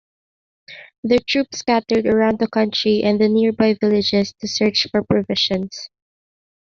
Their troops scattered around the country and the nearby villages to search for provisions.